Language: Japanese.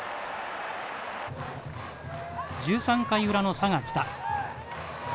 １３回裏の佐賀北。